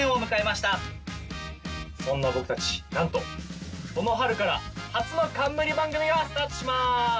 そんな僕たちなんとこの春から初の冠番組がスタートします。